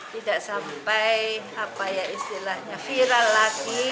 jadi apa ya istilahnya viral lagi